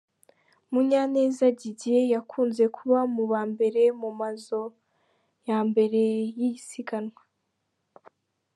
Munyaneza Didier yakunze kuba mu ba mbere mu mazo ya mbere y'isiganwa.